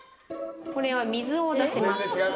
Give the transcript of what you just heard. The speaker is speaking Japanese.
これは水を出せます。